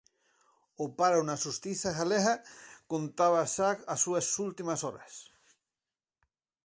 O paro na Xustiza galega contaba xa as súas últimas horas.